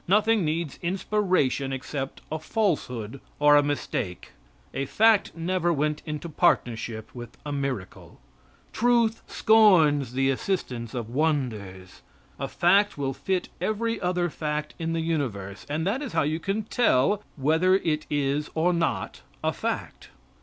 Nothing needs inspiration except a falsehood or a mistake. A fact never went into partnership with a miracle. Truth scorns the assistance of wonders. A fact will fit every other fact in the universe, and that is how you can tell whether it is or not a fact.